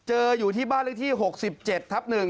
เจออยู่ที่บ้านเรื่องที่๖๗ทับ๑